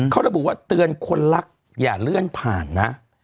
เขาระบุว่าเตือนคนรักอย่าเลื่อนผ่านนะ